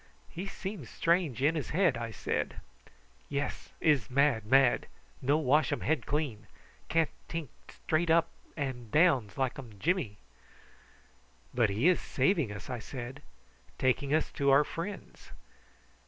"He seems strange in his head," I said. "Yes. Iss mad mad. No wash um head clean. Can't tink straight up an down ums like Jimmy." "But he is saving us," I said. "Taking us to our friends."